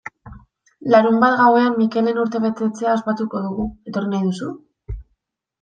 Larunbat gauean Mikelen urtebetetzea ospatuko dugu, etorri nahi duzu?